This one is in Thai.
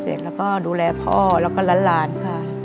แล้วก็ดูแลพ่อแล้วก็หลานค่ะ